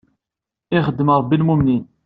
I ixeddem Rebbi i lmumnin.